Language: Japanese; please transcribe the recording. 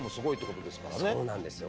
そうなんですよ。